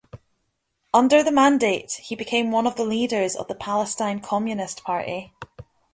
Under the Mandate he became one of the leaders of the Palestine Communist Party.